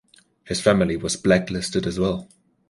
His family was blacklisted as well.